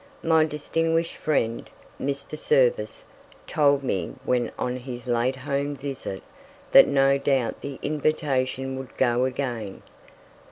My distinguished friend, Mr. Service, told me, when on his late Home visit, that no doubt the invitation would go again.